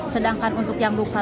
sedangkan untuk yang luka